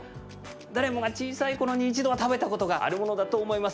誰もが小さいころに一度は食べたことがあるものだと思います。